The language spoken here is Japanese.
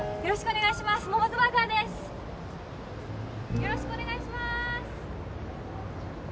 よろしくお願いします